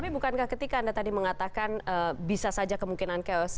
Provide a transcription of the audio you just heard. tapi bukankah ketika anda tadi mengatakan bisa saja kemungkinan chaos